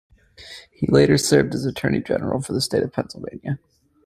He later served as Attorney General for the state of Pennsylvania.